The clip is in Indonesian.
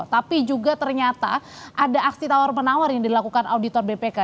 tapi juga ternyata ada aksi tawar menawar yang dilakukan auditor bpk